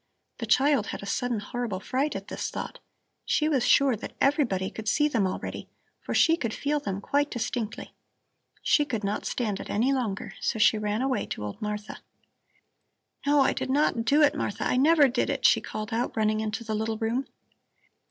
The child had a sudden horrible fright at this thought. She was sure that everybody could see them already, for she could feel them quite distinctly. She could not stand it any longer, so she ran away to old Martha. "No, I did not do it, Martha. I never did it," she called out, running into the little room.